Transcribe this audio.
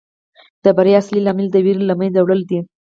د بریا اصلي لامل د ویرې له منځه وړل دي.